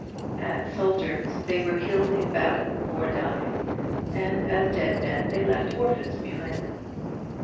As soldiers they were killed in battle, or died, and as dead men they left orphans behind them.